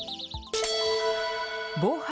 防犯